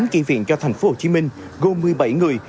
kỳ viện cho thành phố hồ chí minh gồm một mươi bảy người